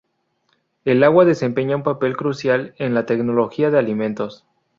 El agua desempeña un papel crucial en la tecnología de alimentos.